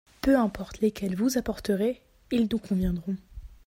Peu importe lesquels vous apporterez, ils nous conviendront.